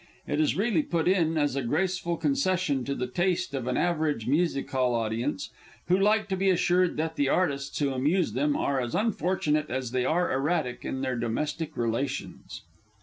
It is really put in as a graceful concession to the taste of an average Music hall audience, who like to be assured that the Artists who amuse them are as unfortunate as they are erratic in their domestic relations.